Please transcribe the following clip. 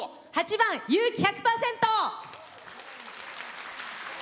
８番「勇気１００％」。